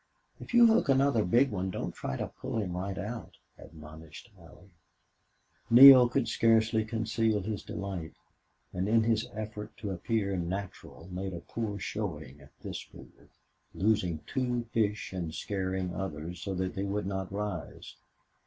"If you hook another big one don't try to pull him right out," admonished Allie. Neale could scarcely conceal his delight, and in his effort to appear natural made a poor showing at this pool, losing two fish and scaring others so they would not rise.